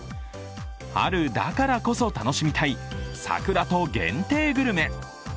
春だからこそ楽しみたい桜と限定グルメ。